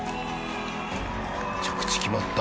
着地決まった。